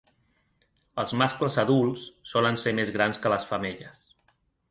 Els mascles adults solen ser més grans que les femelles.